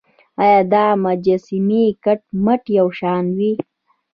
ایا دا مجسمې کټ مټ یو شان وې.